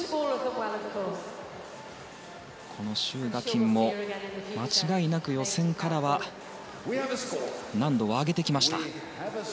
シュウ・ガキンも間違いなく予選からは難度を上げてきました。